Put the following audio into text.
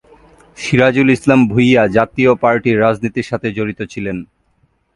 সিরাজুল ইসলাম ভূঁইয়া জাতীয় পার্টির রাজনীতির সাথে জড়িত ছিলেন।